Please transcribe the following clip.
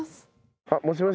もしもし。